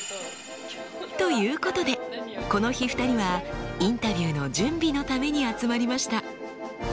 ということでこの日２人はインタビューの準備のために集まりました。